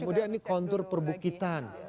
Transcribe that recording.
kemudian ini kontur perbukitan